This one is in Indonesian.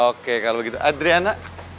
oke kalau begitu adriana